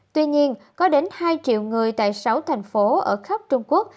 tuy nhiên có đến hai triệu người tại sáu thành phố ở khắp trung quốc